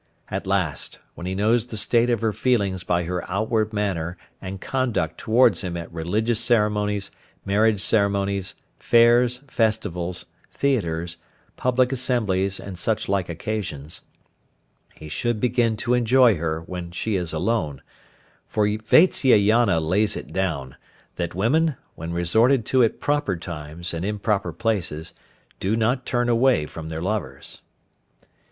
At last, when he knows the state of her feelings by her outward manner and conduct towards him at religious ceremonies, marriage ceremonies, fairs, festivals, theatres, public assemblies, and such like occasions, he should begin to enjoy her when she is alone, for Vatsyayana lays it down, that women, when resorted to at proper times and in proper places, do not turn away from their lovers.